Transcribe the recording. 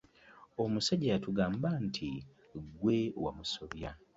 Omusajja yatugamba nti ggwe wamusobya.